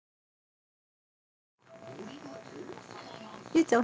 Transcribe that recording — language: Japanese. ゆうちゃん